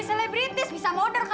apa begini mak